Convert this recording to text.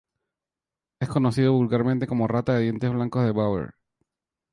Es conocido vulgarmente como Rata de dientes blancos de Bower.